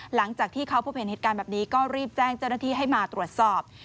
หลังจากที่เขาพบเห็นเหตุการณ์แบบนี้ก็รีบแจ้งเจ้าหน้าที่ให้มาตรวจสอบ